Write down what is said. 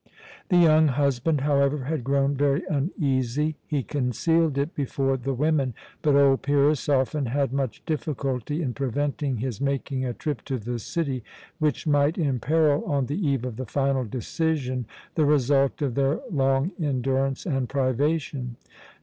The young husband, however, had grown very uneasy. He concealed it before the women, but old Pyrrhus often had much difficulty in preventing his making a trip to the city which might imperil, on the eve of the final decision, the result of their long endurance and privation.